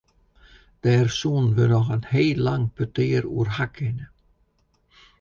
Dêr soenen we noch in heel lang petear oer ha kinne.